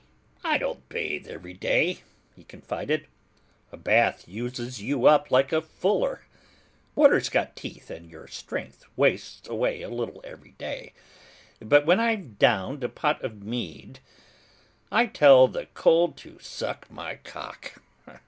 "I don't bathe every day," he confided, "a bath uses you up like a fuller: water's got teeth and your strength wastes away a little every day; but when I've downed a pot of mead, I tell the cold to suck my cock!